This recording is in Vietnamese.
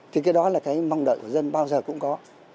thì cái đó là cái mong đợi của dân bao giờ cũng có